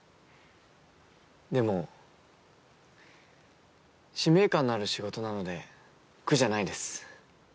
でも使命感のある仕事なので苦じゃないです。